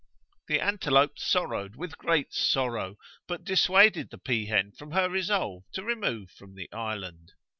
The antelope sorrowed with great sorrow, but dissuaded the peahen from her resolve to remove from the island.